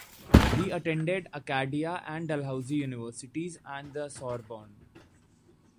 He attended Acadia and Dalhousie universities and the Sorbonne.